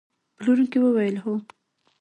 پلورونکي وویل: هو.